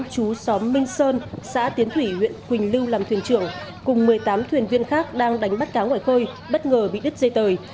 chú xóm minh sơn xã tiến thủy huyện quỳnh lưu làm thuyền trưởng cùng một mươi tám thuyền viên khác đang đánh bắt cá ngoài khơi bất ngờ bị đứt dây tời